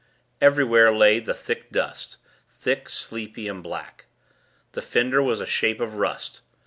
Everywhere lay the thick dust thick, sleepy, and black. The fender was a shape of rust.